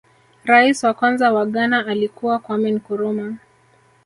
rais wa kwanza wa ghana alikuwa kwame nkurumah